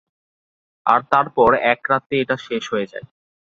আর তারপর, এক রাতে, এটা শেষ হয়ে যায়।